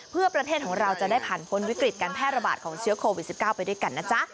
เพื่อประเทศของเราจะได้ผ่านพ้นวิกฤตการแพร่ระบาดของเชื้อโควิด๑๙ไปด้วยกันนะจ๊ะ